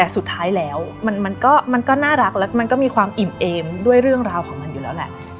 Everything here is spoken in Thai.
แต่สุดท้ายแล้วมันก็น่ารักแล้วมันก็มีความอิ่มเอมด้วยเรื่องราวของมันอยู่แล้วแหละ